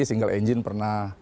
single engine pernah